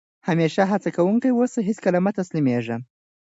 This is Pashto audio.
همېشه هڅه کوونکی اوسى؛ هېڅ کله مه تسلیمېږئ!